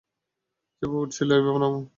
যেভাবে উঠছিলা, ঐভাবে নামো।